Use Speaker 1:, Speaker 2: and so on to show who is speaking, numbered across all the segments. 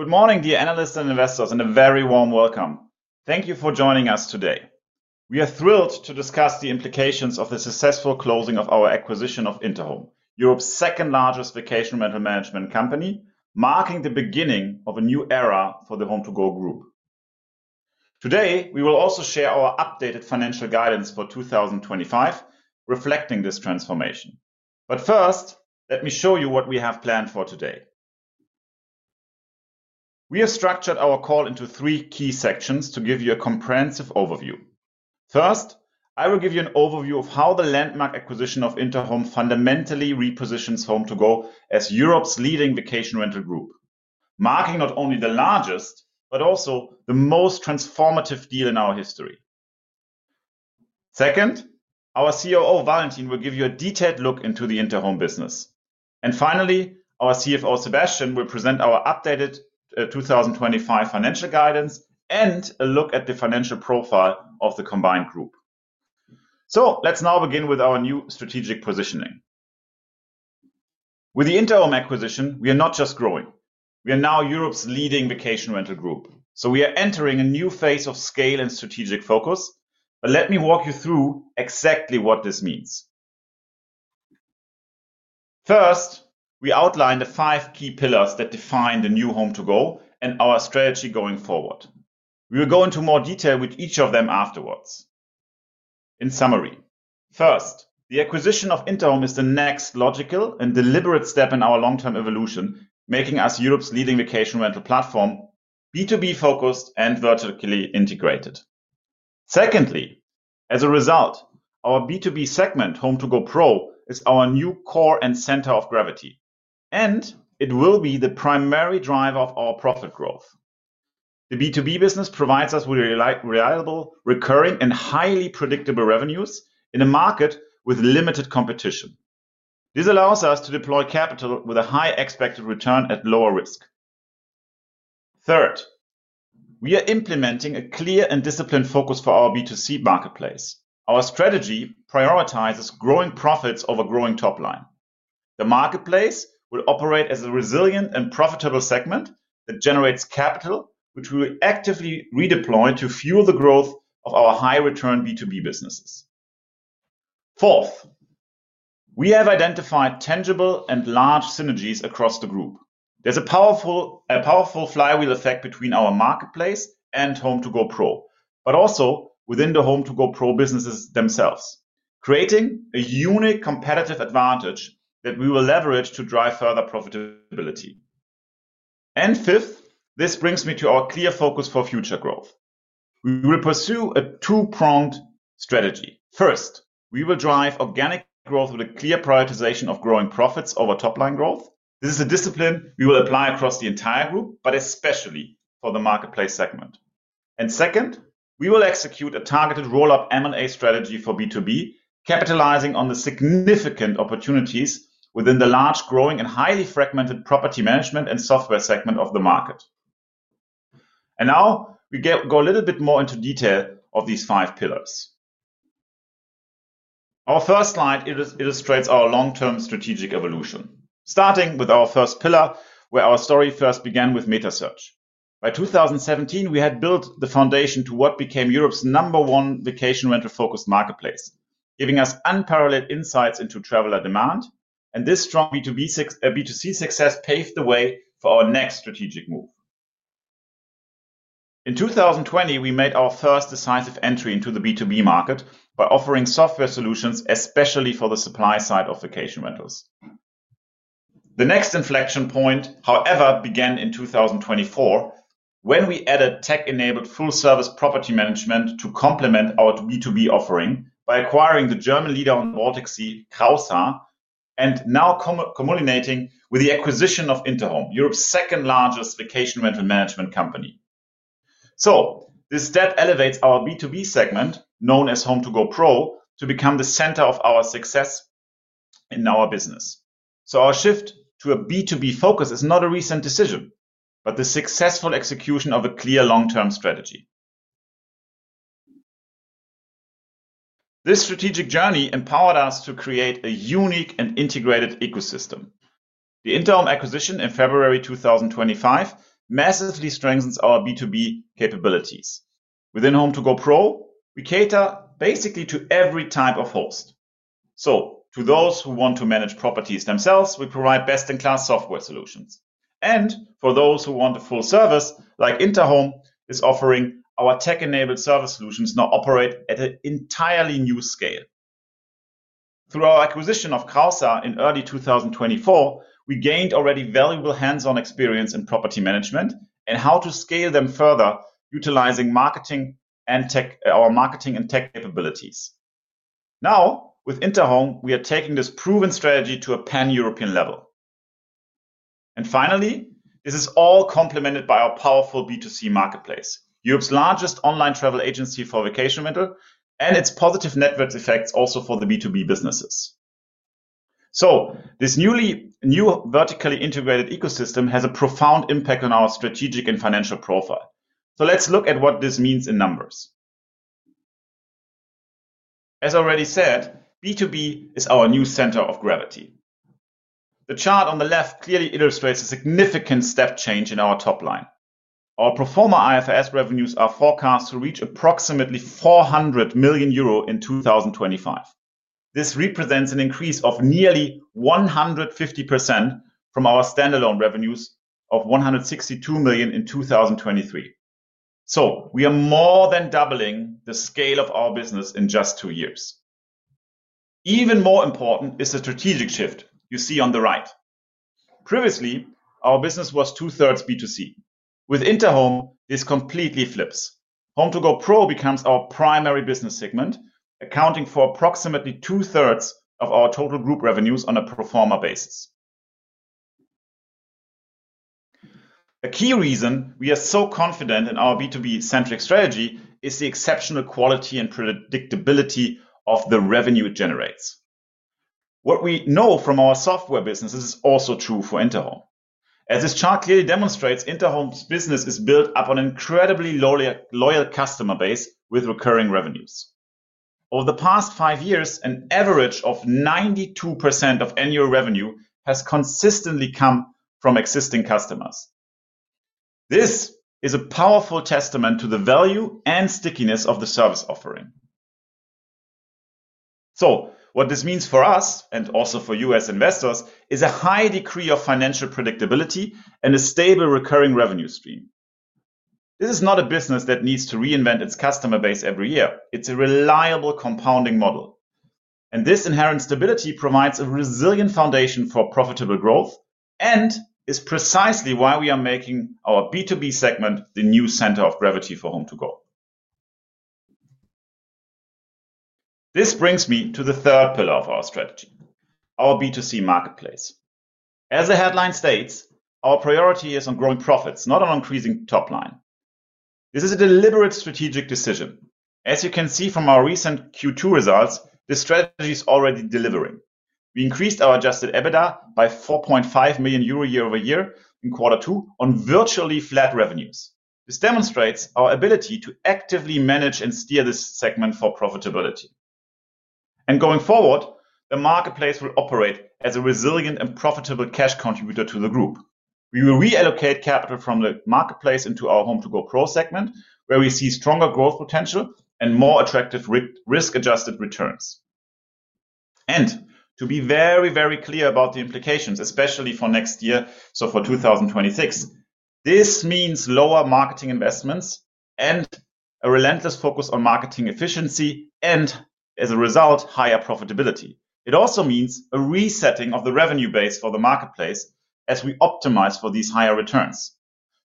Speaker 1: Good morning, dear analysts and investors, and a very warm welcome. Thank you for joining us today. We are thrilled to discuss the implications of the successful closing of our acquisition of Interhome, Europe's second-largest vacation rental management company, marking the beginning of a new era for the HomeToGo Group. Today, we will also share our updated financial guidance for 2025, reflecting this transformation. First, let me show you what we have planned for today. We have structured our call into three key sections to give you a comprehensive overview. First, I will give you an overview of how the landmark acquisition of Interhome fundamentally repositions HomeToGo as Europe's leading vacation rental group, marking not only the largest but also the most transformative deal in our history. Second, our COO, Valentin, will give you a detailed look into the Interhome business. Finally, our CFO Sebastian, will present our updated 2025 financial guidance and a look at the financial profile of the combined group. Let's now begin with our new strategic positioning. With the Interhome acquisition, we are not just growing; we are now Europe's leading vacation rental group. We are entering a new phase of scale and strategic focus, but let me walk you through exactly what this means. First, we outlined the five key pillars that define the new HomeToGo and our strategy going forward. We will go into more detail with each of them afterwards. In summary, first, the acquisition of Interhome is the next logical and deliberate step in our long-term evolution, making us Europe's leading vacation rental platform, B2B focused and vertically integrated. Secondly, as a result, our B2B segment, HomeToGo Pro, is our new core and center of gravity, and it will be the primary driver of our profit growth. The B2B business provides us with reliable, recurring, and highly predictable revenues in a market with limited competition. This allows us to deploy capital with a high expected return at lower risk. Third, we are implementing a clear and disciplined focus for our B2C marketplace. Our strategy prioritizes growing profits over growing top line. The marketplace will operate as a resilient and profitable segment that generates capital, which we will actively redeploy to fuel the growth of our high-return B2B businesses. Fourth, we have identified tangible and large synergies across the group. There's a powerful flywheel effect between our marketplace and HomeToGo Pro, but also within the HomeToGo Pro businesses themselves, creating a unique competitive advantage that we will leverage to drive further profitability. Fifth, this brings me to our clear focus for future growth. We will pursue a two-pronged strategy. First, we will drive organic growth with a clear prioritization of growing profits over top line growth. This is a discipline we will apply across the entire group, especially for the marketplace segment. Second, we will execute a targeted roll-up M&A strategy for B2B, capitalizing on the significant opportunities within the large, growing, and highly fragmented property management and software segment of the market. Now, we go a little bit more into detail of these five pillars. Our first slide illustrates our long-term strategic evolution, starting with our first pillar, where our story first began with meta search. By 2017, we had built the foundation to what became Europe's number one vacation rental focused marketplace, giving us unparalleled insights into traveler demand. This strong B2B success paved the way for our next strategic move. In 2020, we made our first decisive entry into the B2B market by offering software solutions, especially for the supply side of vacation rentals. The next inflection point, however, began in 2024 when we added tech-enabled full-service property management to complement our B2B offering by acquiring the German leader on the Baltic Sea, Krausser, and now culminating with the acquisition of Interhome, Europe's second-largest vacation rental management company. This step elevates our B2B segment, known as HomeToGo Pro, to become the center of our success in our business. Our shift to a B2B focus is not a recent decision, but the successful execution of a clear long-term strategy. This strategic journey empowered us to create a unique and integrated ecosystem. The Interhome acquisition in February 2025 massively strengthens our B2B capabilities. Within HomeToGo Pro, we cater basically to every type of host. To those who want to manage properties themselves, we provide best-in-class software solutions. For those who want a full service, like Interhome is offering, our tech-enabled service solutions now operate at an entirely new scale. Through our acquisition of Krausser in early 2024, we gained already valuable hands-on experience in property management and how to scale them further, utilizing our marketing and tech capabilities. Now, with Interhome, we are taking this proven strategy to a pan-European level. This is all complemented by our powerful B2C marketplace, Europe's largest online travel agency for vacation rental, and its positive network effects also for the B2B businesses. This newly vertically integrated ecosystem has a profound impact on our strategic and financial profile. Let's look at what this means in numbers. As already said, B2B is our new center of gravity. The chart on the left clearly illustrates a significant step change in our top line. Our pro forma IFRS revenues are forecast to reach approximately €400 million in 2025. This represents an increase of nearly 150% from our standalone revenues of €162 million in 2023. We are more than doubling the scale of our business in just two years. Even more important is the strategic shift you see on the right. Previously, our business was 2/3 B2C. With Interhome, this completely flips. HomeToGo Pro becomes our primary business segment, accounting for approximately 2/3 of our total group revenues on a pro forma basis. A key reason we are so confident in our B2B-centric strategy is the exceptional quality and predictability of the revenue it generates. What we know from our software businesses is also true for Interhome. As this chart clearly demonstrates, Interhome's business is built upon an incredibly loyal customer base with recurring revenues. Over the past five years, an average of 92% of annual revenue has consistently come from existing customers. This is a powerful testament to the value and stickiness of the service offering. What this means for us and also for you as investors is a high degree of financial predictability and a stable recurring revenue stream. This is not a business that needs to reinvent its customer base every year. It's a reliable compounding model. This inherent stability provides a resilient foundation for profitable growth and is precisely why we are making our B2B segment the new center of gravity for HomeToGo. This brings me to the third pillar of our strategy, our B2C marketplace. As the headline states, our priority is on growing profits, not on increasing top line. This is a deliberate strategic decision. As you can see from our recent Q2 results, this strategy is already delivering. We increased our adjusted EBITDA by €4.5 million year-over-year in quarter two on virtually flat revenues. This demonstrates our ability to actively manage and steer this segment for profitability. Going forward, the marketplace will operate as a resilient and profitable cash contributor to the group. We will reallocate capital from the marketplace into our HomeToGo Pro segment, where we see stronger growth potential and more attractive risk-adjusted returns. To be very, very clear about the implications, especially for next year, for 2026, this means lower marketing investments and a relentless focus on marketing efficiency and, as a result, higher profitability. It also means a resetting of the revenue base for the marketplace as we optimize for these higher returns.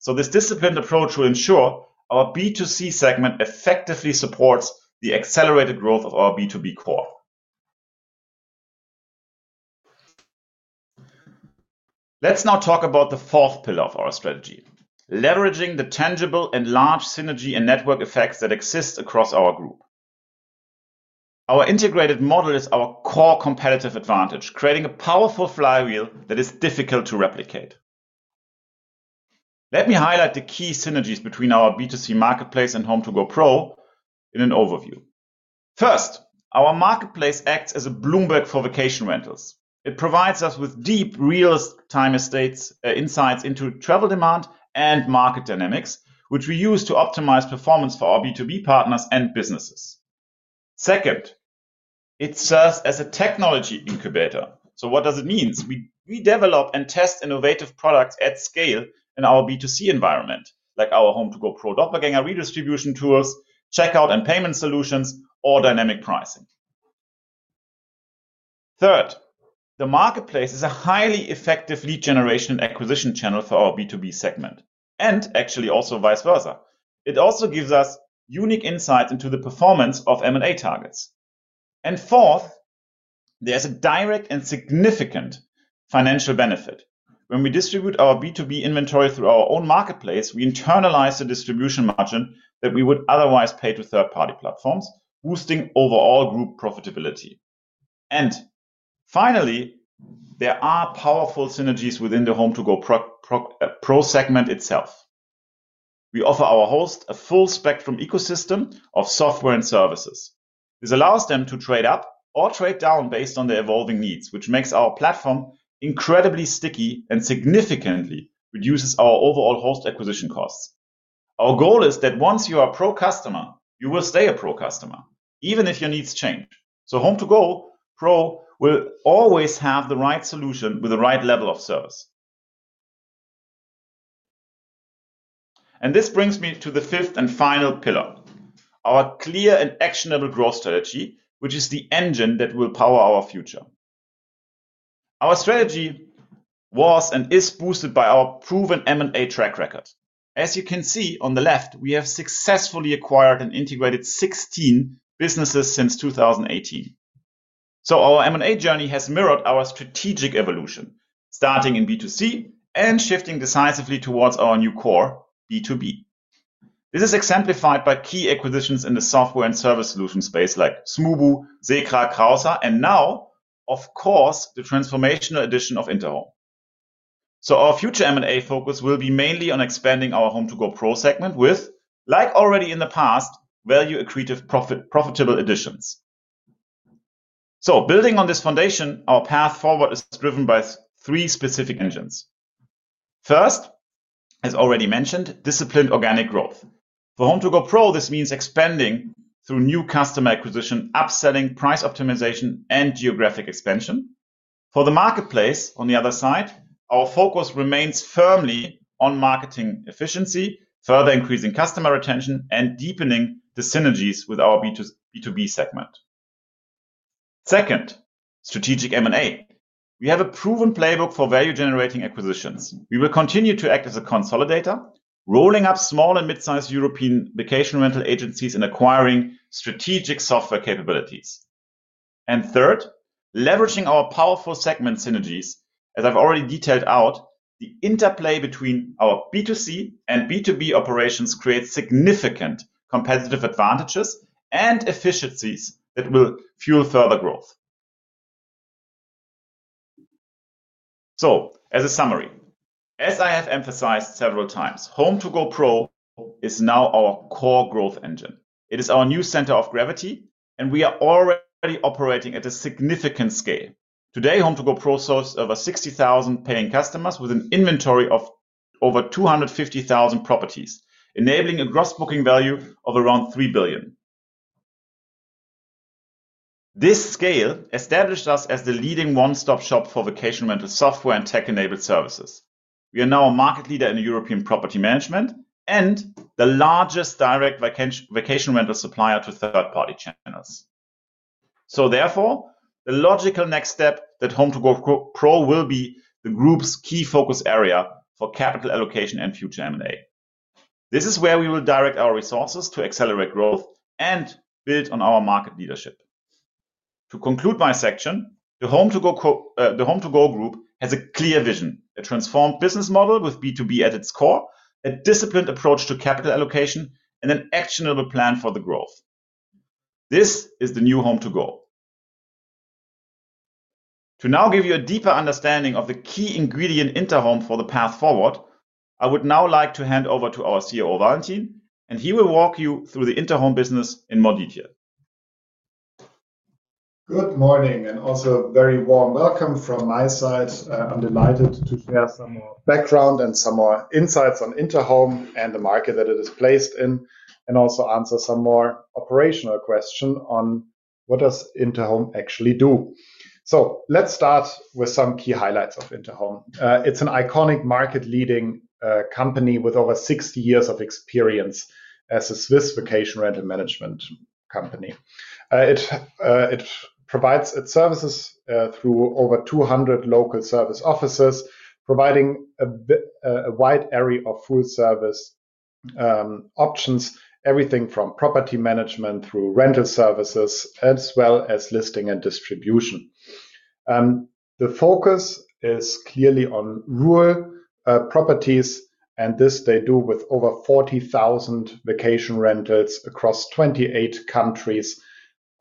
Speaker 1: This disciplined approach will ensure our B2C segment effectively supports the accelerated growth of our B2B core. Let's now talk about the fourth pillar of our strategy, leveraging the tangible and large synergy and network effects that exist across our group. Our integrated model is our core competitive advantage, creating a powerful flywheel that is difficult to replicate. Let me highlight the key synergies between our B2C marketplace and HomeToGo Pro in an overview. First, our marketplace acts as a Bloomberg for vacation rentals. It provides us with deep, real-time insights into travel demand and market dynamics, which we use to optimize performance for our B2B partners and businesses. Second, it serves as a technology incubator. What does it mean? We develop and test innovative products at scale in our B2C environment, like our HomeToGo Pro Doppelganger redistribution tools, checkout and payment solutions, or dynamic pricing. Third, the marketplace is a highly effective lead generation and acquisition channel for our B2B segment, and actually also vice versa. It also gives us unique insights into the performance of M&A targets. Fourth, there is a direct and significant financial benefit. When we distribute our B2B inventory through our own marketplace, we internalize the distribution margin that we would otherwise pay to third-party platforms, boosting overall group profitability. Finally, there are powerful synergies within the HomeToGo Pro segment itself. We offer our hosts a full-spectrum ecosystem of software and services. This allows them to trade up or trade down based on their evolving needs, which makes our platform incredibly sticky and significantly reduces our overall host acquisition costs. Our goal is that once you are a Pro customer, you will stay a Pro customer, even if your needs change. HomeToGo Pro will always have the right solution with the right level of service. This brings me to the fifth and final pillar, our clear and actionable growth strategy, which is the engine that will power our future. Our strategy was and is boosted by our proven M&A track record. As you can see on the left, we have successfully acquired and integrated 16 businesses since 2018. Our M&A journey has mirrored our strategic evolution, starting in B2C and shifting decisively towards our new core, B2B. This is exemplified by key acquisitions in the software and service solutions space, like Smoobu, Zechra, Krausser, and now, of course, the transformational addition of Interhome. Our future M&A focus will be mainly on expanding our HomeToGo Pro segment with, like already in the past, value accretive profitable additions. Building on this foundation, our path forward is driven by three specific engines. First, as already mentioned, disciplined organic growth. For HomeToGo Pro, this means expanding through new customer acquisition, upselling, price optimization, and geographic expansion. For the marketplace, on the other side, our focus remains firmly on marketing efficiency, further increasing customer retention, and deepening the synergies with our B2B segment. Second, strategic M&A. We have a proven playbook for value-generating acquisitions. We will continue to act as a consolidator, rolling up small and mid-sized European vacation rental agencies and acquiring strategic software capabilities. Third, leveraging our powerful segment synergies, as I've already detailed out, the interplay between our B2C and B2B operations creates significant competitive advantages and efficiencies that will fuel further growth. As a summary, as I have emphasized several times, HomeToGo Pro is now our core growth engine. It is our new center of gravity, and we are already operating at a significant scale. Today, HomeToGo Pro serves over 60,000 paying customers with an inventory of over 250,000 properties, enabling a gross booking value of around $3 billion. This scale established us as the leading one-stop shop for vacation rental software and tech-enabled services. We are now a market leader in European property management and the largest direct vacation rental supplier to third-party channels. Therefore, the logical next step is that HomeToGo Pro will be the group's key focus area for capital allocation and future M&A. This is where we will direct our resources to accelerate growth and build on our market leadership. To conclude my section, the HomeToGo Group has a clear vision, a transformed business model with B2B at its core, a disciplined approach to capital allocation, and an actionable plan for growth. This is the new HomeToGo. To now give you a deeper understanding of the key ingredient Interhome for the path forward, I would now like to hand over to our COO, Valentin, and he will walk you through the Interhome business in more detail.
Speaker 2: Good morning, and also a very warm welcome from my side. I'm delighted to share some more background and some more insights on Interhome and the market that it is placed in, and also answer some more operational questions on what does Interhome actually do. Let's start with some key highlights of Interhome. It's an iconic market-leading company with over 60 years of experience as a Swiss vacation rental management company. It provides its services through over 200 local service offices, providing a wide array of full-service options, everything from property management through rental services, as well as listing and distribution. The focus is clearly on rural properties, and this they do with over 40,000 vacation rentals across 28 countries,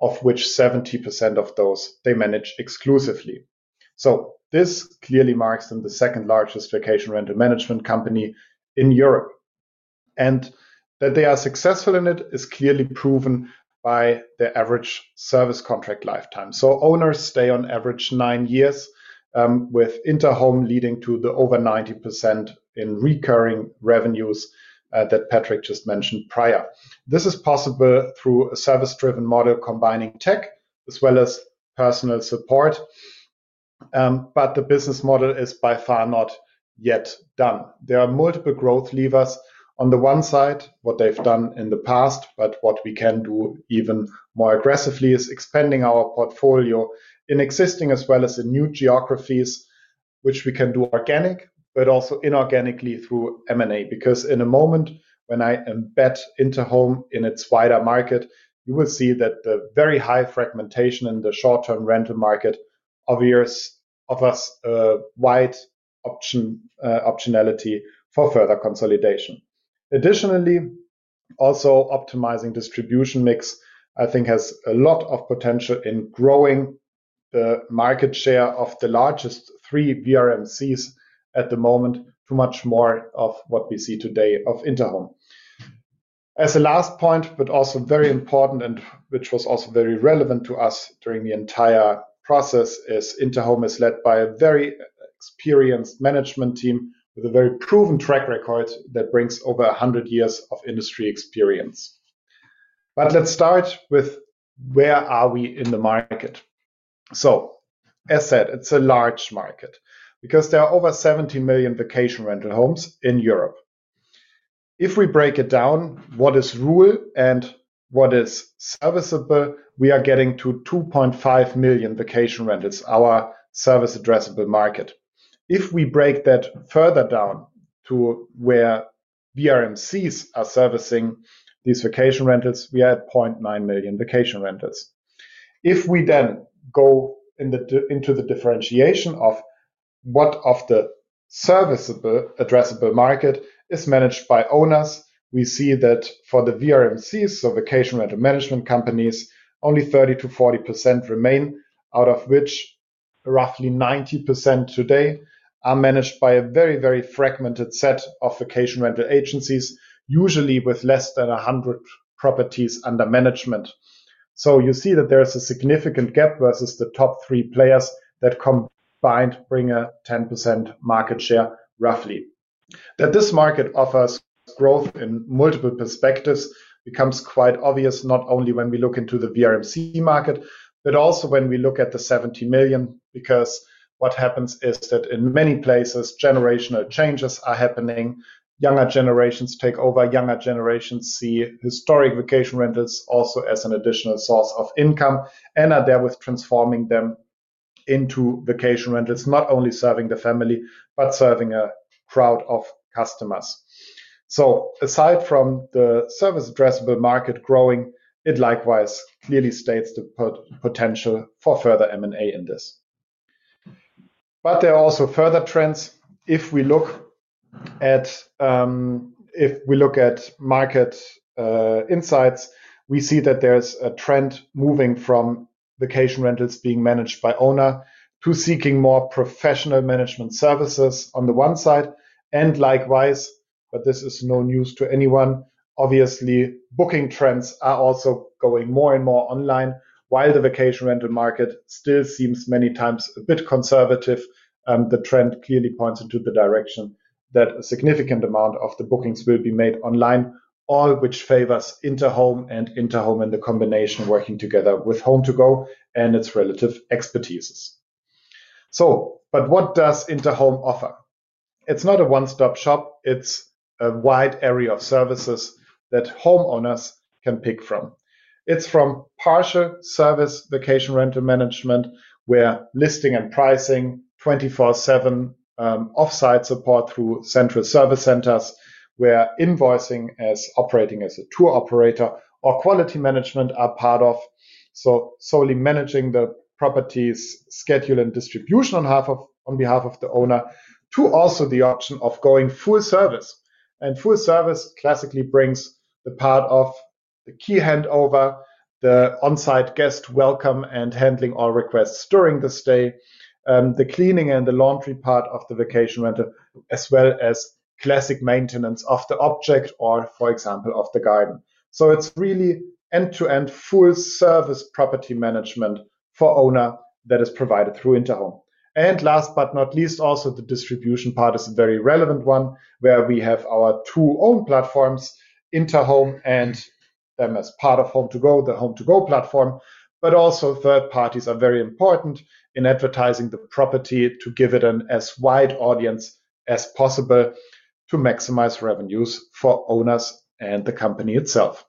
Speaker 2: of which 70% of those they manage exclusively. This clearly marks them the second largest vacation rental management company in Europe. That they are successful in it is clearly proven by their average service contract lifetime. Owners stay on average nine years, with Interhome leading to the over 90% in recurring revenues that Patrick just mentioned prior. This is possible through a service-driven model combining tech as well as personal support, but the business model is by far not yet done. There are multiple growth levers. On the one side, what they've done in the past, but what we can do even more aggressively is expanding our portfolio in existing as well as in new geographies, which we can do organically, but also inorganically through M&A. In a moment, when I embed Interhome in its wider market, you will see that the very high fragmentation in the short-term rental market offers a wide optionality for further consolidation. Additionally, also optimizing distribution mix, I think, has a lot of potential in growing the market share of the largest three VRMCs at the moment to much more of what we see today of Interhome. As a last point, but also very important, and which was also very relevant to us during the entire process, is Interhome is led by a very experienced management team with a very proven track record that brings over 100 years of industry experience. Let's start with where are we in the market. As said, it's a large market because there are over 70 million vacation rental homes in Europe. If we break it down, what is rural and what is serviceable, we are getting to 2.5 million vacation rentals, our service-addressable market. If we break that further down to where VRMCs are servicing these vacation rentals, we are at 0.9 million vacation rentals. If we then go into the differentiation of what of the serviceable addressable market is managed by owners, we see that for the VRMCs, so vacation rental management companies, only 30%-40% remain, out of which roughly 90% today are managed by a very, very fragmented set of vacation rental agencies, usually with less than 100 properties under management. You see that there is a significant gap versus the top three players that combined bring a 10% market share roughly. This market offers growth in multiple perspectives and becomes quite obvious, not only when we look into the VRMC market, but also when we look at the 70 million, because what happens is that in many places, generational changes are happening. Younger generations take over. Younger generations see historic vacation rentals also as an additional source of income and are therefore transforming them into vacation rentals, not only serving the family, but serving a crowd of customers. Aside from the service-addressable market growing, it likewise clearly states the potential for further M&A in this. There are also further trends. If we look at market insights, we see that there's a trend moving from vacation rentals being managed by owners to seeking more professional management services on the one side. Likewise, this is no news to anyone, obviously, booking trends are also going more and more online, while the vacation rental market still seems many times a bit conservative. The trend clearly points in the direction that a significant amount of the bookings will be made online, all of which favors Interhome and Interhome in the combination working together with HomeToGo and its relative expertises. What does Interhome offer? It's not a one-stop shop. It's a wide array of services that homeowners can pick from. It's from partial service vacation rental management, where listing and pricing, 24/7 offsite support through central service centers, where invoicing as operating as a tour operator or quality management are part of. Solely managing the properties, schedule, and distribution on behalf of the owner, to also the option of going full service. Full service classically brings the part of the key handover, the onsite guest welcome, and handling all requests during the stay, the cleaning and the laundry part of the vacation rental, as well as classic maintenance of the object or, for example, of the garden. It is really end-to-end full-service property management for owners that is provided through Interhome. Last but not least, the distribution part is a very relevant one, where we have our two own platforms, Interhome and them as part of HomeToGo, the HomeToGo platform, but also third parties are very important in advertising the property to give it as wide an audience as possible to maximize revenues for owners and the company itself.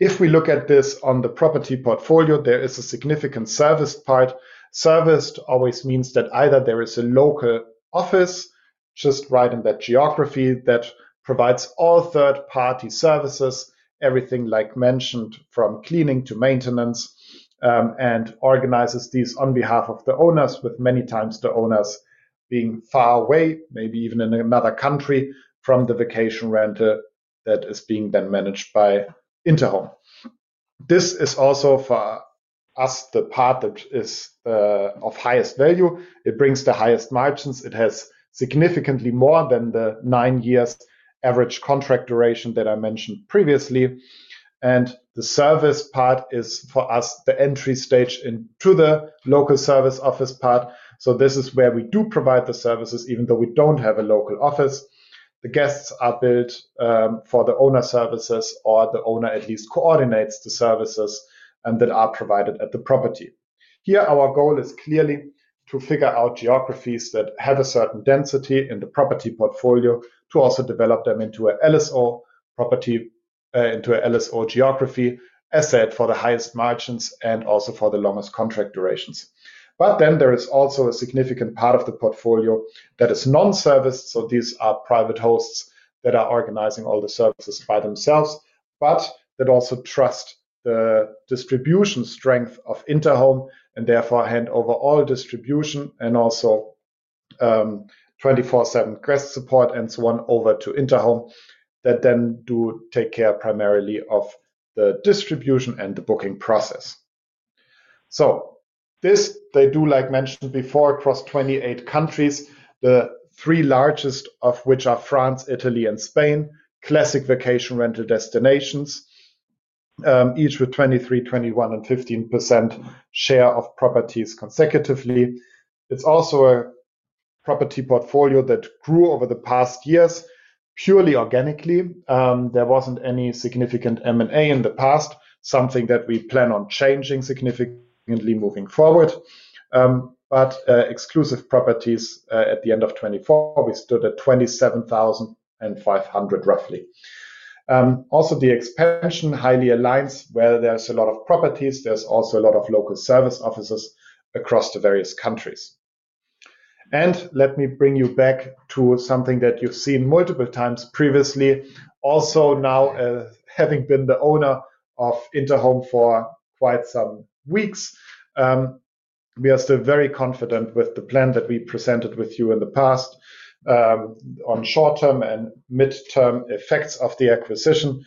Speaker 2: If we look at this on the property portfolio, there is a significant serviced part. Serviced always means that either there is a local office just right in that geography that provides all third-party services, everything like mentioned from cleaning to maintenance, and organizes these on behalf of the owners, with many times the owners being far away, maybe even in another country, from the vacation rental that is being then managed by Interhome. This is also for us the part that is of highest value. It brings the highest margins. It has significantly more than the nine-year average contract duration that I mentioned previously. The service part is for us the entry stage into the local service office part. This is where we do provide the services, even though we don't have a local office. The guests are billed for the owner's services, or the owner at least coordinates the services that are provided at the property. Here, our goal is clearly to figure out geographies that have a certain density in the property portfolio, to also develop them into an LSO property, into an LSO geography, as said for the highest margins and also for the longest contract durations. There is also a significant part of the portfolio that is non-serviced. These are private hosts that are organizing all the services by themselves, but that also trust the distribution strength of Interhome and therefore hand over all distribution and also 24/7 guest support and so on over to Interhome that then do take care primarily of the distribution and the booking process. They do, like mentioned before, across 28 countries, the three largest of which are France, Italy, and Spain, classic vacation rental destinations, each with 23%, 21%, and 15% share of properties, respectively. It's also a property portfolio that grew over the past years purely organically. There wasn't any significant M&A in the past, something that we plan on changing significantly moving forward. At the end of 2024, exclusive properties stood at roughly 27,500. The expansion highly aligns where there's a lot of properties. There's also a lot of local service offices across the various countries. Let me bring you back to something that you've seen multiple times previously. Now, having been the owner of Interhome for quite some weeks, we are still very confident with the plan that we presented to you in the past on short-term and mid-term effects of the acquisition.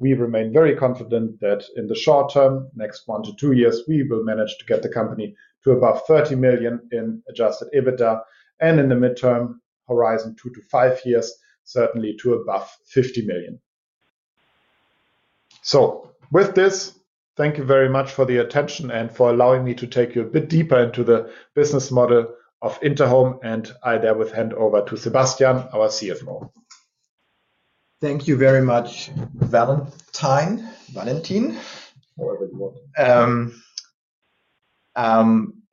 Speaker 2: We remain very confident that in the short term, next one to two years, we will manage to get the company to above $30 million in adjusted EBITDA, and in the mid-term horizon, two to five years, certainly to above $50 million. Thank you very much for the attention and for allowing me to take you a bit deeper into the business model of Interhome, and I therefore hand over to Sebastian, our CFO.
Speaker 3: Thank you very much, Valentin.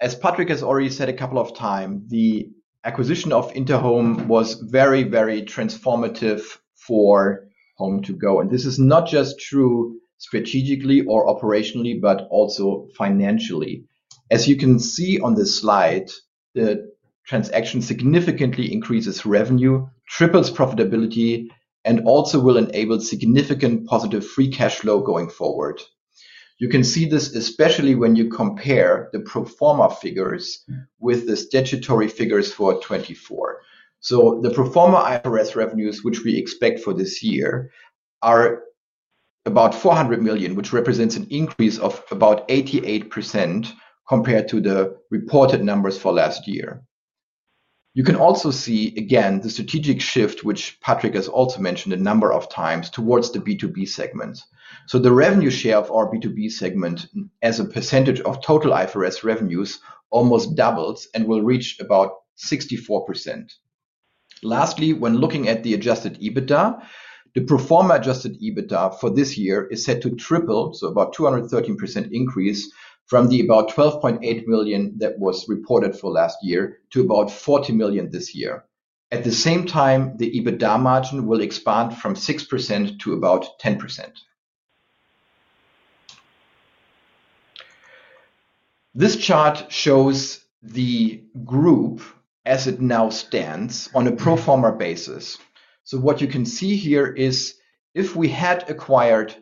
Speaker 3: As Patrick has already said a couple of times, the acquisition of Interhome was very, very transformative for HomeToGo. This is not just true strategically or operationally, but also financially. As you can see on this slide, the transaction significantly increases revenue, triples profitability, and also will enable significant positive free cash flow going forward. You can see this especially when you compare the pro forma figures with the statutory figures for 2024. The pro forma IFRS revenues, which we expect for this year, are about €400 million, which represents an increase of about 88% compared to the reported numbers for last year. You can also see again the strategic shift, which Patrick has also mentioned a number of times, towards the B2B segment. The revenue share of our B2B segment as a percentage of total IFRS revenues almost doubles and will reach about 64%. Lastly, when looking at the adjusted EBITDA, the pro forma adjusted EBITDA for this year is set to triple, so about a 213% increase from the about €12.8 million that was reported for last year to about €40 million this year. At the same time, the EBITDA margin will expand from 6% to about 10%. This chart shows the group as it now stands on a pro forma basis. What you can see here is if we had acquired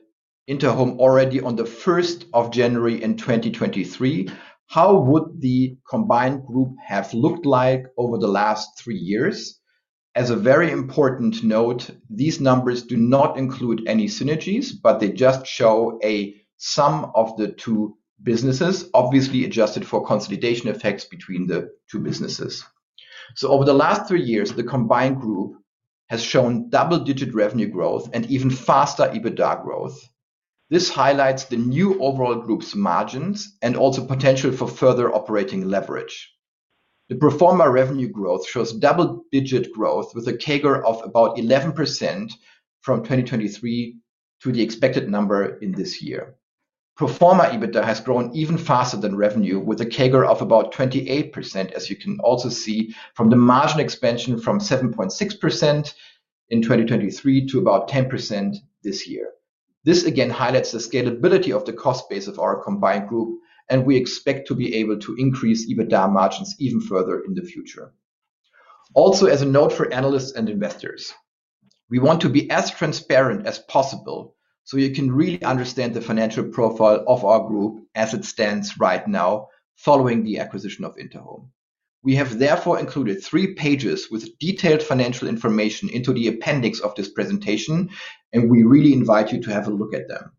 Speaker 3: Interhome already on the 1st of January in 2023, how would the combined group have looked like over the last three years? As a very important note, these numbers do not include any synergies, but they just show a sum of the two businesses, obviously adjusted for consolidation effects between the two businesses. Over the last three years, the combined group has shown double-digit revenue growth and even faster EBITDA growth. This highlights the new overall group's margins and also potential for further operating leverage. The pro forma revenue growth shows double-digit growth with a CAGR of about 11% from 2023 to the expected number in this year. Pro forma EBITDA has grown even faster than revenue with a CAGR of about 28%, as you can also see from the margin expansion from 7.6% in 2023 to about 10% this year. This again highlights the scalability of the cost base of our combined group, and we expect to be able to increase EBITDA margins even further in the future. Also, as a note for analysts and investors, we want to be as transparent as possible so you can really understand the financial profile of our group as it stands right now following the acquisition of Interhome. We have therefore included three pages with detailed financial information into the appendix of this presentation, and we really invite you to have a look at them.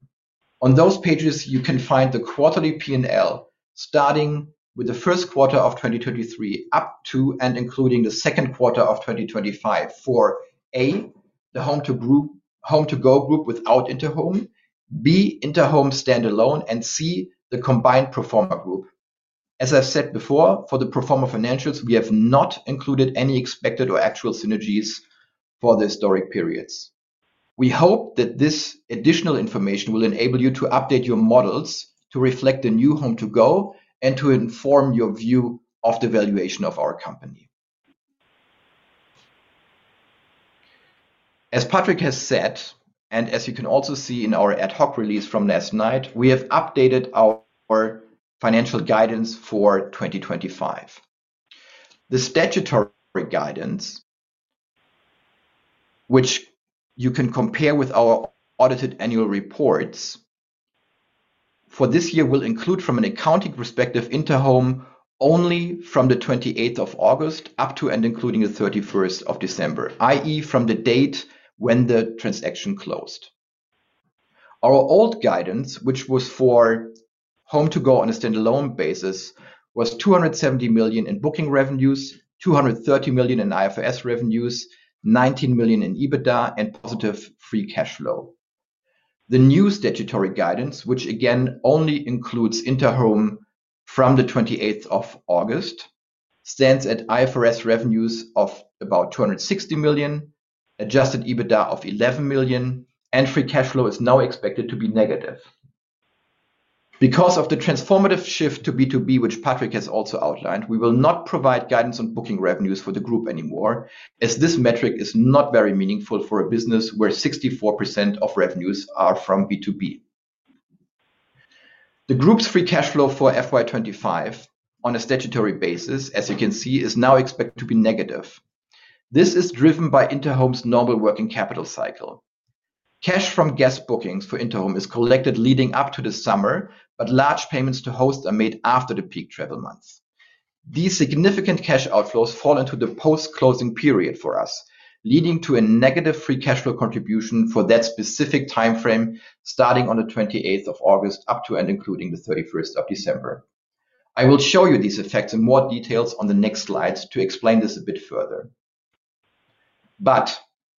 Speaker 3: On those pages, you can find the quarterly P&L starting with the first quarter of 2023 up to and including the second quarter of 2025 for A, the HomeToGo Group without Interhome, B, Interhome standalone, and C, the combined pro forma group. As I've said before, for the pro forma financials, we have not included any expected or actual synergies for the historic periods. We hope that this additional information will enable you to update your models to reflect the new HomeToGo and to inform your view of the valuation of our company. As Patrick has said, and as you can also see in our ad hoc release from last night, we have updated our financial guidance for 2025. The statutory guidance, which you can compare with our audited annual reports for this year, will include from an accounting perspective Interhome only from the 28th of August up to and including the 31st of December, i.e., from the date when the transaction closed. Our old guidance, which was for HomeToGo on a standalone basis, was €270 million in booking revenues, €230 million in IFRS revenues, €19 million in EBITDA, and positive free cash flow. The new statutory guidance, which again only includes Interhome from the 28th of August, stands at IFRS revenues of about €260 million, adjusted EBITDA of €11 million, and free cash flow is now expected to be negative. Because of the transformative shift to B2B, which Patrick has also outlined, we will not provide guidance on booking revenues for the group anymore, as this metric is not very meaningful for a business where 64% of revenues are from B2B. The group's free cash flow for FY 2025 on a statutory basis, as you can see, is now expected to be negative. This is driven by Interhome's normal working capital cycle. Cash from guest bookings for Interhome is collected leading up to the summer, but large payments to hosts are made after the peak travel months. These significant cash outflows fall into the post-closing period for us, leading to a negative free cash flow contribution for that specific timeframe starting on the 28th of August up to and including the 31st of December. I will show you these effects in more detail on the next slides to explain this a bit further.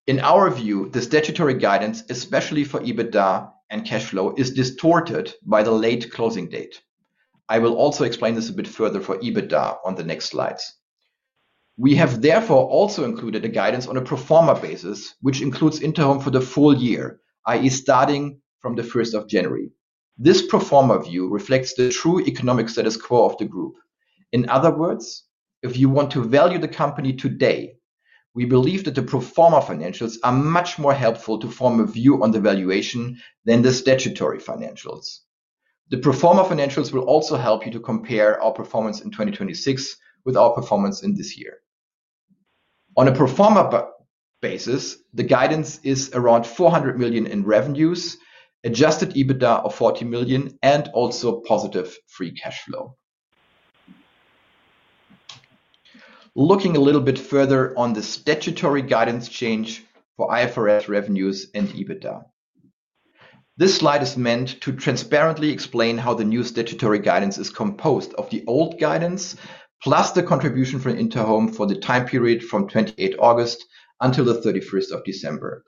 Speaker 3: In our view, the statutory guidance, especially for adjusted EBITDA and cash flow, is distorted by the late closing date. I will also explain this a bit further for adjusted EBITDA on the next slides. We have therefore also included a guidance on a pro forma basis, which includes Interhome for the full year, i.e., starting from 1st of January. This pro forma view reflects the true economic status quo of the group. In other words, if you want to value the company today, we believe that the pro forma financials are much more helpful to form a view on the valuation than the statutory financials. The pro forma financials will also help you to compare our performance in 2026 with our performance in this year. On a pro forma basis, the guidance is around €400 million in revenues, adjusted EBITDA of €40 million, and also positive free cash flow. Looking a little bit further on the statutory guidance change for IFRS revenues and adjusted EBITDA, this slide is meant to transparently explain how the new statutory guidance is composed of the old guidance plus the contribution for Interhome for the time period from August until December 31.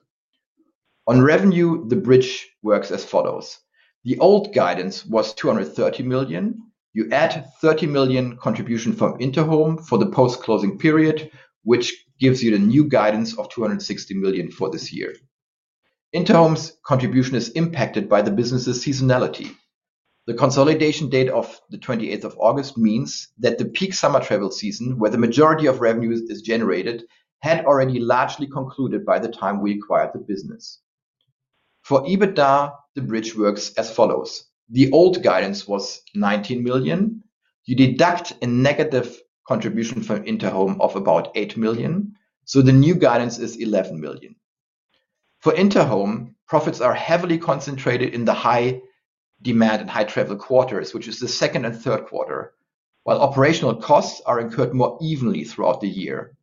Speaker 3: On revenue, the bridge works as follows. The old guidance was €230 million. You add €30 million contribution from Interhome for the post-closing period, which gives you the new guidance of €260 million for this year. Interhome's contribution is impacted by the business's seasonality. The consolidation date 28th of August means that the peak summer travel season, where the majority of revenues is generated, had already largely concluded by the time we acquired the business. For adjusted EBITDA, the bridge works as follows. The old guidance was €19 million. You deduct a negative contribution from Interhome of about €8 million. The new guidance is €11 million. For Interhome, profits are heavily concentrated in the high demand and high travel quarters, which is the second and third quarter, while operational costs are incurred more evenly throughout the year.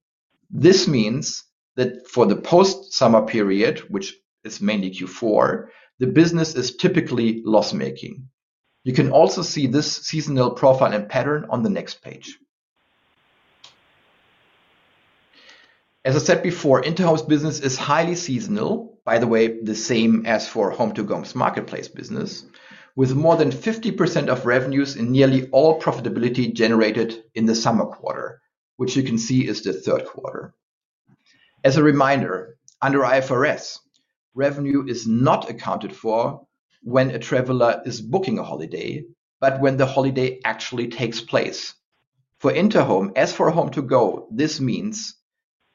Speaker 3: This means that for the post-summer period, which is mainly Q4, the business is typically loss-making. You can also see this seasonal profile and pattern on the next page. As I said before, Interhome's business is highly seasonal, by the way, the same as for HomeToGo's marketplace business, with more than 50% of revenues and nearly all profitability generated in the summer quarter, which you can see is the third quarter. As a reminder, under IFRS, revenue is not accounted for when a traveler is booking a holiday, but when the holiday actually takes place. For Interhome, as for HomeToGo, this means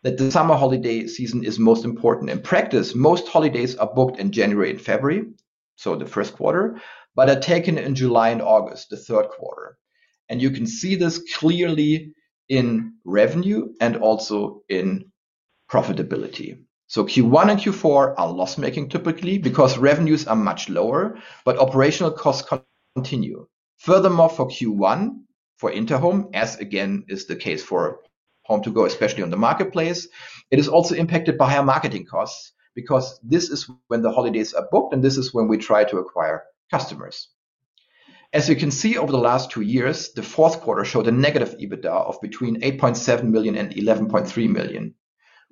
Speaker 3: that the summer holiday season is most important. In practice, most holidays are booked in January and February, so the first quarter, but are taken in July and August, the third quarter. You can see this clearly in revenue and also in profitability. Q1 and Q4 are loss-making typically because revenues are much lower, but operational costs continue. Furthermore, for Q1, for Interhome, as again is the case for HomeToGo, especially on the marketplace, it is also impacted by higher marketing costs because this is when the holidays are booked and this is when we try to acquire customers. As you can see, over the last two years, the fourth quarter showed a negative EBITDA of between €8.7 million and €11.3 million.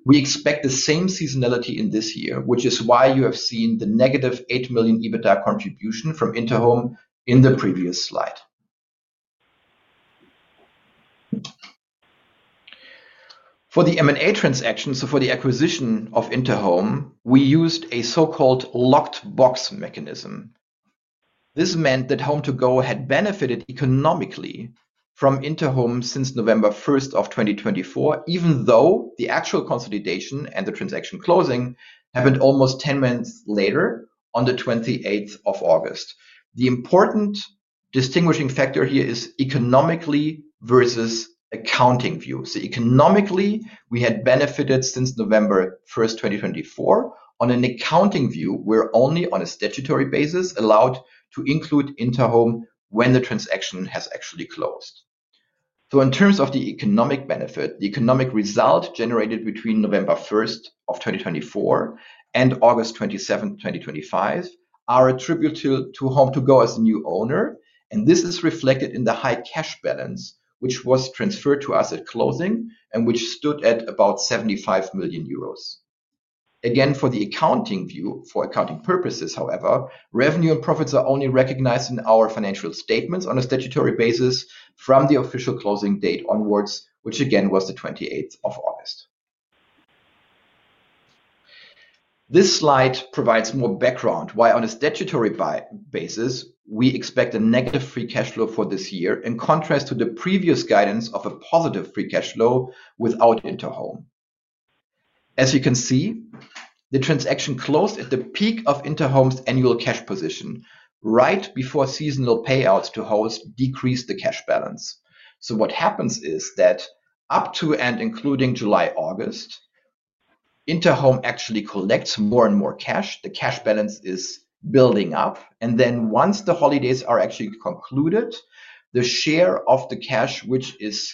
Speaker 3: We expect the same seasonality in this year, which is why you have seen the -€8 million EBITDA contribution from Interhome in the previous slide. For the M&A transaction, for the acquisition of Interhome, we used a so-called locked box mechanism. This meant that HomeToGo had benefited economically from Interhome since November 1st of 2024, even though the actual consolidation and the transaction closing happened almost 10 months later on the 28th of August. The important distinguishing factor here is economically versus accounting views. Economically, we had benefited since November 1st, 2024, on an accounting view we are only on a statutory basis allowed to include Interhome when the transaction has actually closed. In terms of the economic benefit, the economic result generated between November 1st of 2024 and August 27, 2025, are attributable to HomeToGo as the new owner, and this is reflected in the high cash balance, which was transferred to us at closing and which stood at about €75 million. For the accounting view, for accounting purposes, however, revenue and profits are only recognized in our financial statements on a statutory basis from the official closing date onwards, which again was the 28th of August. This slide provides more background why on a statutory basis we expect a negative free cash flow for this year in contrast to the previous guidance of a positive free cash flow without Interhome. As you can see, the transaction closed at the peak of Interhome's annual cash position, right before seasonal payouts to hosts decreased the cash balance. What happens is that up to and including July-August, Interhome actually collects more and more cash. The cash balance is building up, and then once the holidays are actually concluded, the share of the cash which is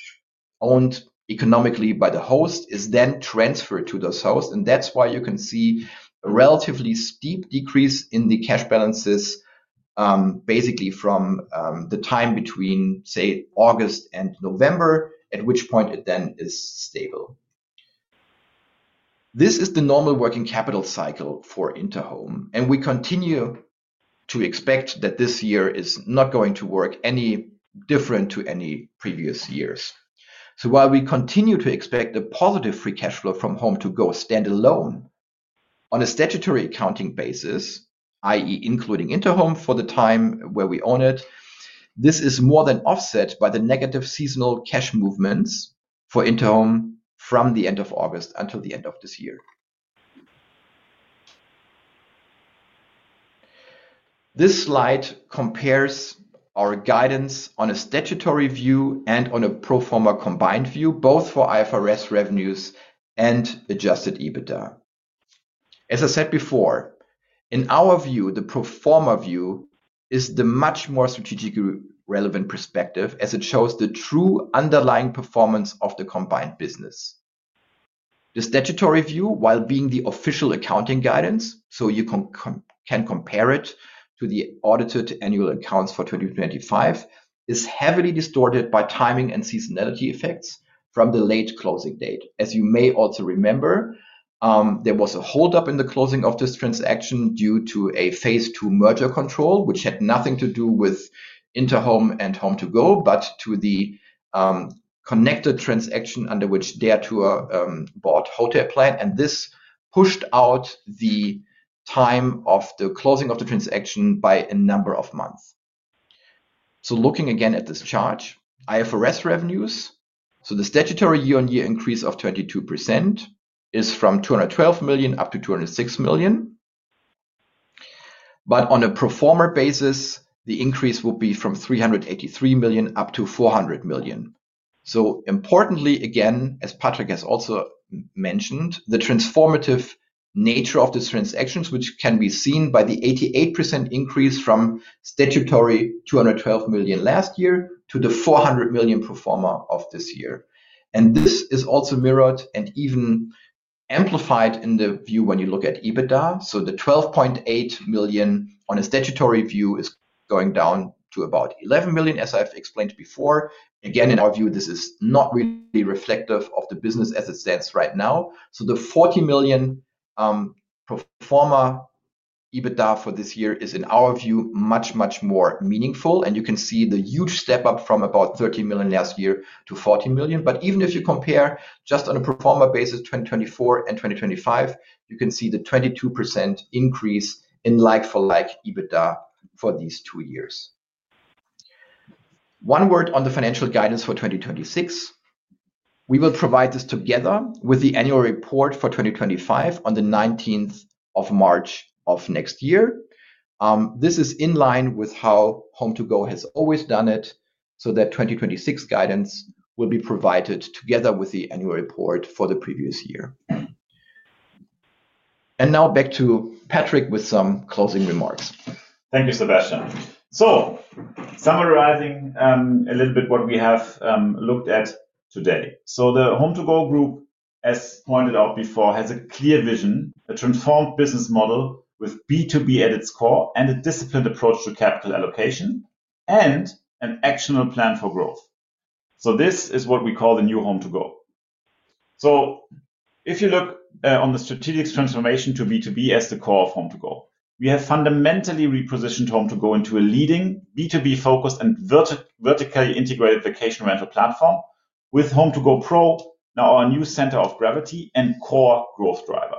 Speaker 3: owned economically by the host is then transferred to those hosts, and that's why you can see a relatively steep decrease in the cash balances, basically from the time between, say, August and November, at which point it then is stable. This is the normal working capital cycle for Interhome, and we continue to expect that this year is not going to work any different to any previous years. While we continue to expect a positive free cash flow from HomeToGo standalone on a statutory accounting basis, i.e., including Interhome for the time where we own it, this is more than offset by the negative seasonal cash movements for Interhome from the end of August until the end of this year. This slide compares our guidance on a statutory view and on a pro forma combined view, both for IFRS revenues and adjusted EBITDA. As I said before, in our view, the pro forma view is the much more strategically relevant perspective as it shows the true underlying performance of the combined business. The statutory view, while being the official accounting guidance, so you can compare it to the audited annual accounts for 2025, is heavily distorted by timing and seasonality effects from the late closing date. As you may also remember, there was a hold up in the closing of this transaction due to a phase two merger control, which had nothing to do with Interhome and HomeToGo, but to the connected transaction under which DeaTour bought Hotelplan, and this pushed out the time of the closing of the transaction by a number of months. Looking again at this chart, IFRS revenues, so the statutory year-on-year increase of 32% is from $212 million up to $206 million. On a pro forma basis, the increase will be from $383 million up to $400 million. Importantly, again, as Patrick has also mentioned, the transformative nature of the transactions, which can be seen by the 88% increase from statutory $212 million last year to the $400 million pro forma of this year. This is also mirrored and even amplified in the view when you look at EBITDA. The $12.8 million on a statutory view is going down to about $11 million, as I've explained before. In our view, this is not really reflective of the business as it stands right now. The $40 million pro forma EBITDA for this year is, in our view, much, much more meaningful. You can see the huge step up from about $30 million last year to $40 million. Even if you compare just on a pro forma basis, 2024 and 2025, you can see the 22% increase in like-for-like EBITDA for these two years. One word on the financial guidance for 2026. We will provide this together with the annual report for 2025 on the 19th of March of next year. This is in line with how HomeToGo has always done it, so that 2026 guidance will be provided together with the annual report for the previous year. Now back to Patrick with some closing remarks.
Speaker 1: Thank you, Sebastian. Summarizing a little bit what we have looked at today, the HomeToGo Group, as pointed out before, has a clear vision, a transformed business model with B2B at its core, a disciplined approach to capital allocation, and an actionable plan for growth. This is what we call the new HomeToGo. If you look at the strategic transformation to B2B as the core of HomeToGo, we have fundamentally repositioned HomeToGo into a leading B2B-focused and vertically integrated vacation rental platform, with HomeToGo Pro now our new center of gravity and core growth driver.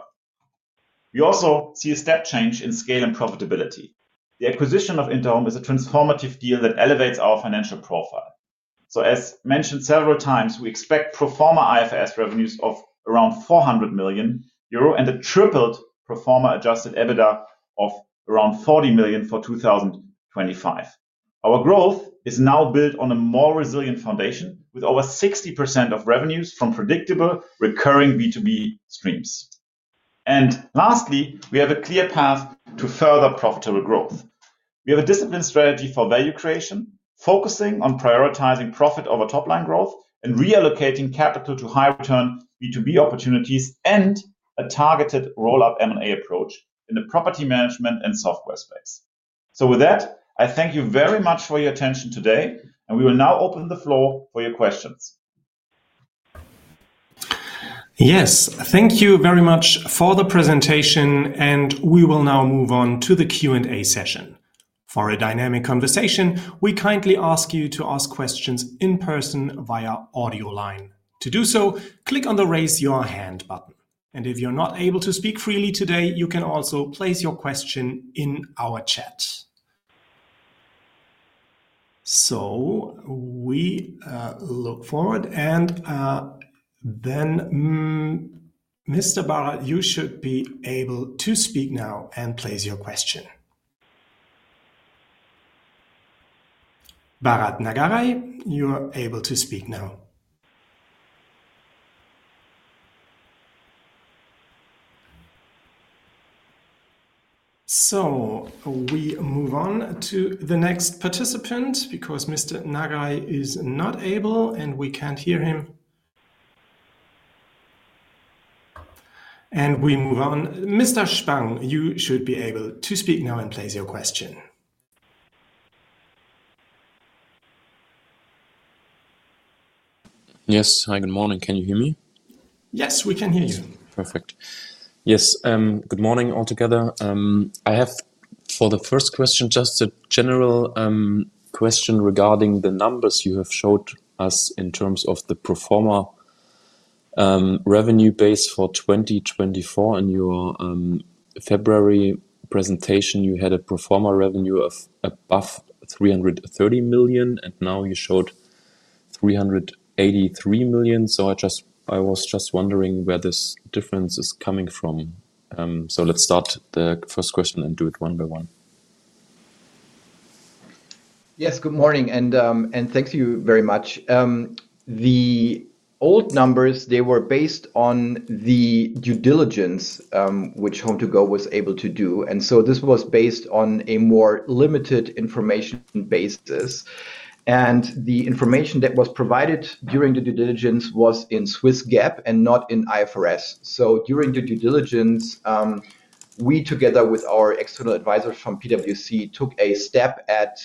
Speaker 1: We also see a step change in scale and profitability. The acquisition of Interhome is a transformative deal that elevates our financial profile. As mentioned several times, we expect pro forma IFRS revenues of around €400 million and a tripled pro forma adjusted EBITDA of around €40 million for 2025. Our growth is now built on a more resilient foundation with over 60% of revenues from predictable recurring B2B streams. Lastly, we have a clear path to further profitable growth. We have a disciplined strategy for value creation, focusing on prioritizing profit over top-line growth and reallocating capital to high-return B2B opportunities and a targeted roll-up M&A approach in the property management and software space. With that, I thank you very much for your attention today, and we will now open the floor for your questions.
Speaker 4: Yes, thank you very much for the presentation. We will now move on to the Q&A session. For a dynamic conversation, we kindly ask you to ask questions in person via audio line. To do so, click on the raise your hand button. If you're not able to speak freely today, you can also place your question in our chat. We look forward, and Mr. Bharat, you should be able to speak now and place your question. Bharat Nagaraj, you're able to speak now. We move on to the next participant because Mr. Nagaraj is not able, and we can't hear him. We move on. Mr. Spang, you should be able to speak now and place your question.
Speaker 5: Yes, hi, good morning. Can you hear me?
Speaker 4: Yes, we can hear you.
Speaker 5: Perfect. Yes, good morning all together. I have, for the first question, just a general question regarding the numbers you have showed us in terms of the pro forma revenue base for 2024. In your February presentation, you had a pro forma revenue of above €330 million, and now you showed €383 million. I was just wondering where this difference is coming from. Let's start the first question and do it one by one.
Speaker 3: Yes, good morning, and thank you very much. The old numbers, they were based on the due diligence, which HomeToGo was able to do. This was based on a more limited information basis. The information that was provided during the due diligence was in Swiss GAAP and not in IFRS. During the due diligence, we, together with our external advisors from PwC, took a step at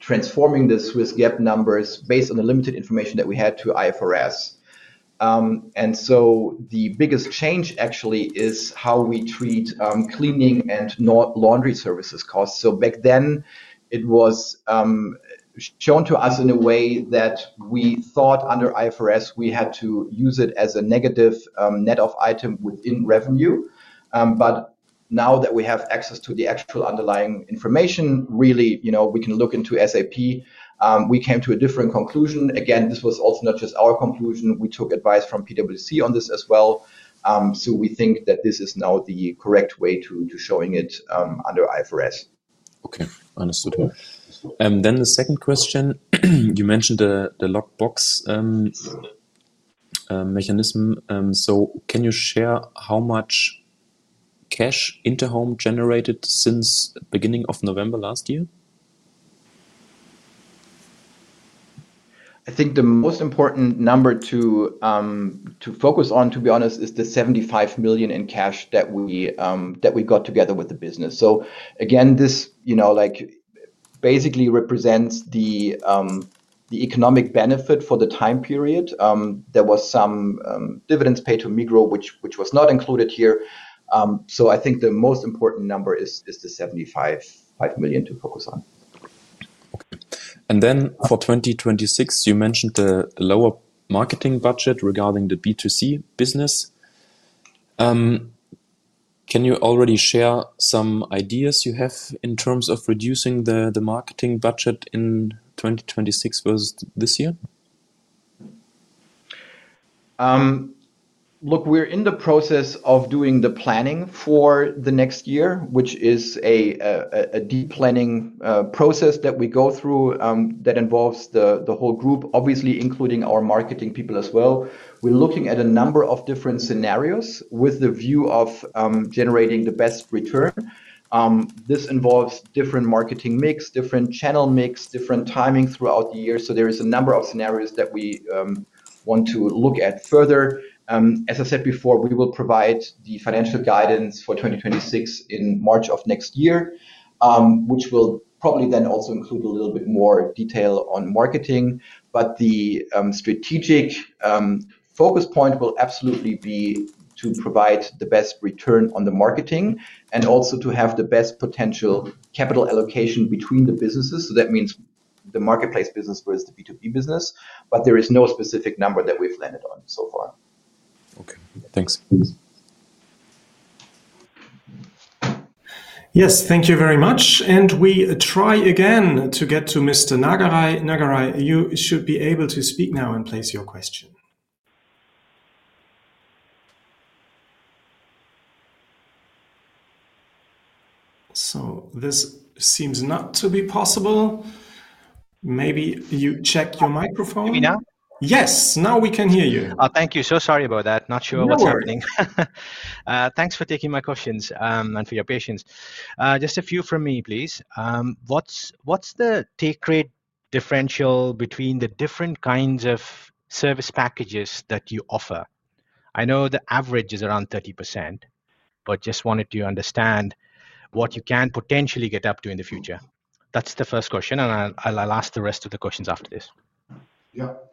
Speaker 3: transforming the Swiss GAAP numbers based on the limited information that we had to IFRS. The biggest change actually is how we treat cleaning and laundry services costs. Back then, it was shown to us in a way that we thought under IFRS, we had to use it as a negative net of items within revenue. Now that we have access to the actual underlying information, really, you know, we can look into SAP. We came to a different conclusion. This was also not just our conclusion. We took advice from PwC on this as well. We think that this is now the correct way to showing it under IFRS.
Speaker 5: Okay, understood. The second question, you mentioned the locked box mechanism. Can you share how much cash Interhome generated since the beginning of November last year?
Speaker 3: I think the most important number to focus on, to be honest, is the $75 million in cash that we got together with the business. This basically represents the economic benefit for the time period. There were some dividends paid to Migros, which was not included here. I think the most important number is the $75 million to focus on.
Speaker 5: Okay. For 2026, you mentioned the lower marketing budget regarding the B2C business. Can you already share some ideas you have in terms of reducing the marketing budget in 2026 versus this year?
Speaker 3: Look, we're in the process of doing the planning for the next year, which is a deep planning process that we go through that involves the whole group, obviously including our marketing people as well. We're looking at a number of different scenarios with the view of generating the best return. This involves different marketing mix, different channel mix, different timing throughout the year. There are a number of scenarios that we want to look at further. As I said before, we will provide the financial guidance for 2026 in March of next year, which will probably then also include a little bit more detail on marketing. The strategic focus point will absolutely be to provide the best return on the marketing and also to have the best potential capital allocation between the businesses. That means the marketplace business versus the B2B business. There is no specific number that we've landed on so far.
Speaker 5: Okay, thanks.
Speaker 4: Yes, thank you very much. We try again to get to Mr. Nagaraj. Nagaraj, you should be able to speak now and place your question. This seems not to be possible. Maybe you check your microphone.
Speaker 6: Can you hear me now?
Speaker 4: Yes, now we can hear you.
Speaker 6: Thank you. Sorry about that. Not sure what's happening. Thanks for taking my questions and for your patience. Just a few from me, please. What's the take-rate differential between the different kinds of service packages that you offer? I know the average is around 30%, but just wanted to understand what you can potentially get up to in the future. That's the first question, and I'll ask the rest of the questions after this.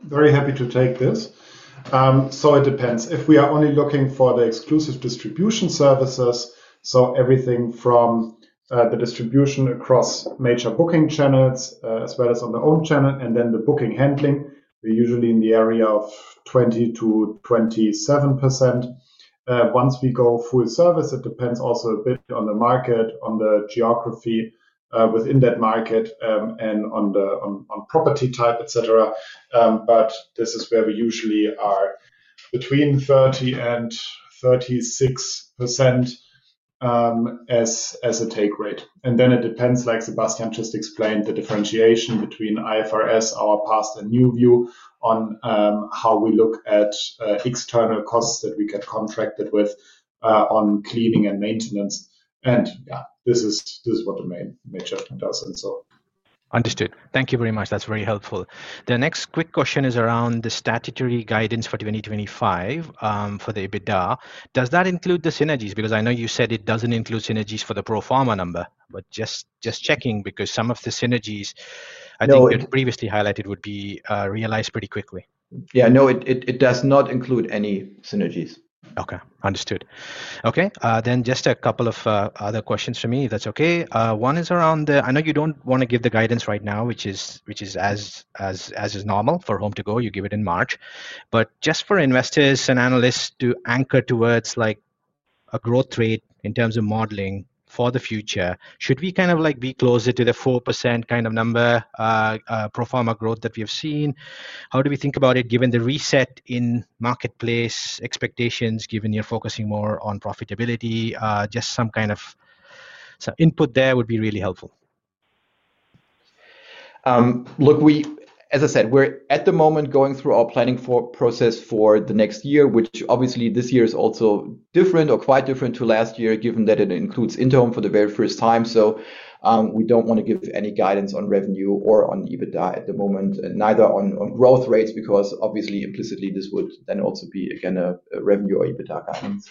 Speaker 1: Very happy to take this. It depends. If we are only looking for the exclusive distribution services, everything from the distribution across major booking channels, as well as on the home channel, and then the booking handling, we're usually in the area of 20%-27%. Once we go full service, it depends also a bit on the market, on the geography within that market, and on property type, etc. This is where we usually are between 30% and 36% as a take rate. It depends, like Sebastian just explained, the differentiation between IFRS, our past and new view on how we look at external costs that we get contracted with on cleaning and maintenance. This is what the main major thing does.
Speaker 6: Understood. Thank you very much. That's very helpful. The next quick question is around the statutory guidance for 2025 for the EBITDA. Does that include the synergies? I know you said it doesn't include synergies for the pro forma number, but just checking because some of the synergies, I think you had previously highlighted, would be realized pretty quickly.
Speaker 1: Yeah. No, it does not include any operational synergies.
Speaker 6: Okay, understood. Okay, then just a couple of other questions for me, if that's okay. One is around the, I know you don't want to give the guidance right now, which is as is normal for HomeToGo. You give it in March. For investors and analysts to anchor towards like a growth rate in terms of modeling for the future, should we kind of like be closer to the 4% kind of number pro forma growth that we have seen? How do we think about it given the reset in marketplace expectations, given you're focusing more on profitability? Just some kind of input there would be really helpful.
Speaker 3: As I said, we're at the moment going through our planning process for the next year, which obviously this year is also different or quite different to last year, given that it includes Interhome for the very first time. We don't want to give any guidance on revenue or on EBITDA at the moment, neither on growth rates, because obviously implicitly this would then also be again a revenue or EBITDA guidance.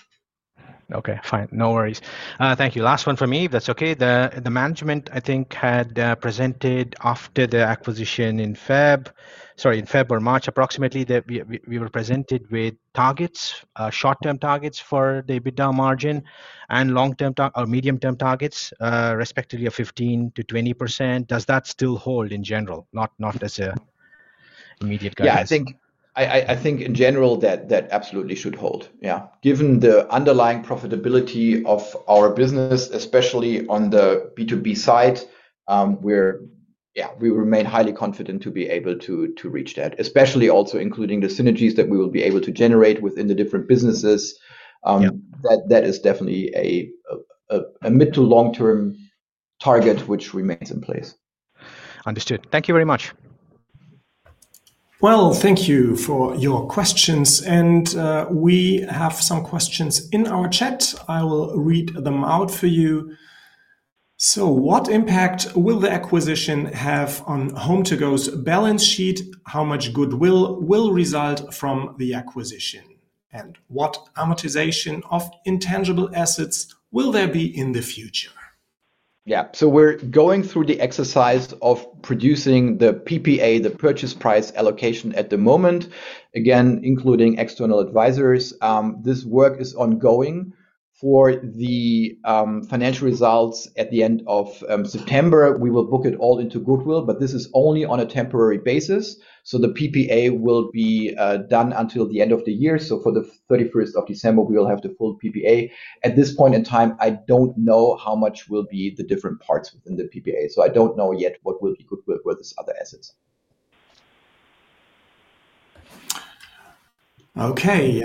Speaker 6: Okay, fine. No worries. Thank you. Last one for me, if that's okay. The management, I think, had presented after the acquisition in February or March approximately, that we were presented with targets, short-term targets for the EBITDA margin and long-term or medium-term targets, respectively of 15%-20%. Does that still hold in general, not as an immediate guidance?
Speaker 2: I think in general that absolutely should hold. Given the underlying profitability of our business, especially on the B2B side, we remain highly confident to be able to reach that, especially also including the synergies that we will be able to generate within the different businesses. That is definitely a mid to long-term target which remains in place.
Speaker 6: Understood. Thank you very much.
Speaker 4: Thank you for your questions, and we have some questions in our chat. I will read them out for you. What impact will the acquisition have on HomeToGo's balance sheet? How much goodwill will result from the acquisition? What amortization of intangible assets will there be in the future?
Speaker 3: Yeah, we're going through the exercise of producing the PPA, the purchase price allocation at the moment, again including external advisors. This work is ongoing. For the financial results at the end of September, we will book it all into Goodwill, but this is only on a temporary basis. The PPA will be done until the end of the year. For the 31st of December, we will have the full PPA. At this point in time, I don't know how much will be the different parts within the PPA. I don't know yet what will be Goodwill versus other assets.
Speaker 4: Okay,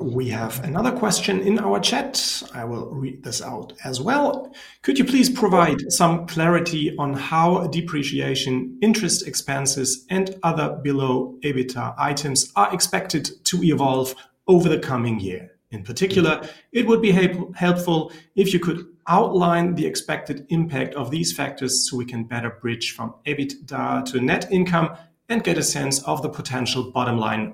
Speaker 4: we have another question in our chat. I will read this out as well. Could you please provide some clarity on how depreciation, interest expenses, and other below EBITDA items are expected to evolve over the coming year? In particular, it would be helpful if you could outline the expected impact of these factors so we can better bridge from EBITDA to net income and get a sense of the potential bottom line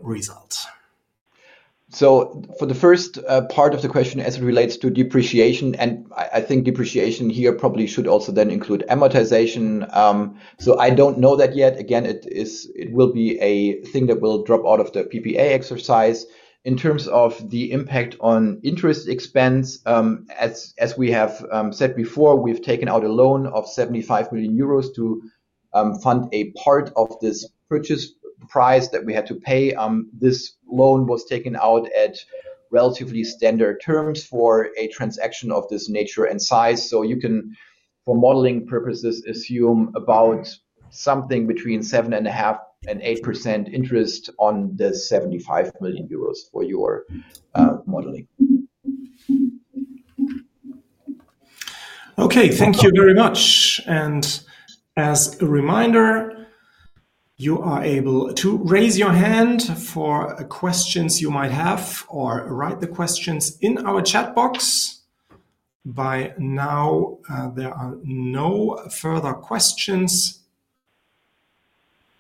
Speaker 4: result.
Speaker 3: For the first part of the question, as it relates to depreciation, and I think depreciation here probably should also then include amortization. I don't know that yet. It will be a thing that will drop out of the PPA exercise. In terms of the impact on interest expense, as we have said before, we've taken out a loan of €75 million to fund a part of this purchase price that we had to pay. This loan was taken out at relatively standard terms for a transaction of this nature and size. You can, for modeling purposes, assume about something between 7.5% and 8.0% interest on the €75 million for your modeling.
Speaker 4: Okay, thank you very much. As a reminder, you are able to raise your hand for questions you might have or write the questions in our chat box. By now, there are no further questions.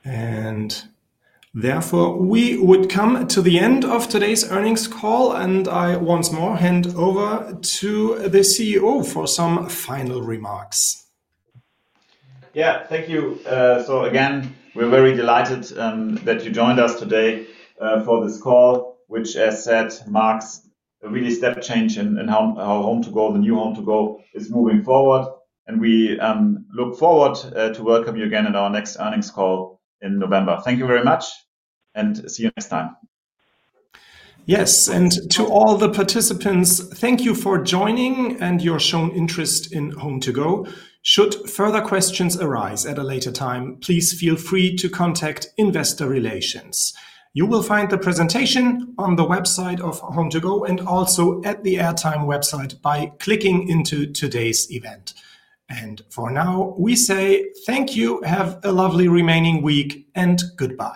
Speaker 4: Therefore, we would come to the end of today's earnings call. I once more hand over to the CEO for some final remarks.
Speaker 1: Thank you. We're very delighted that you joined us today for this call, which, as said, marks a really step change in how HomeToGo, the new HomeToGo, is moving forward. We look forward to welcoming you again at our next earnings call in November. Thank you very much, and see you next time.
Speaker 4: Yes, and to all the participants, thank you for joining and your shown interest in HomeToGo. Should further questions arise at a later time, please feel free to contact investor relations. You will find the presentation on the website of HomeToGo and also at the Airtime website by clicking into today's event. For now, we say thank you, have a lovely remaining week, and goodbye.